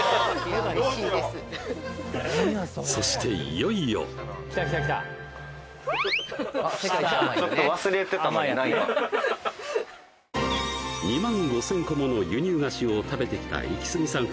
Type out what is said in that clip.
いよいよ２万５０００個もの輸入菓子を食べてきたイキスギさん